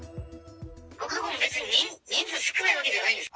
僕のところも別に、人数少ないわけじゃないんです。